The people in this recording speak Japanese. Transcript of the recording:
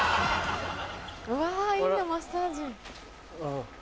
うわいいなマッサージ。